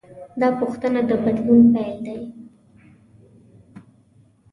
دا پوښتنه د بدلون پیل دی.